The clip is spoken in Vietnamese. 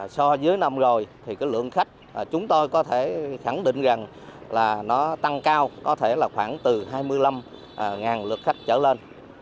so với năm rồi thì lượng khách chúng tôi có thể khẳng định rằng là nó tăng cao có thể là khoảng từ hai mươi năm lượt khách trở lên